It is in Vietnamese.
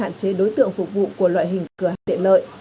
hạn chế đối tượng phục vụ của loại hình cửa hàng tiện lợi